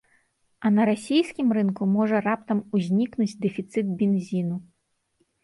А на расійскім рынку можа раптам узнікнуць дэфіцыт бензіну.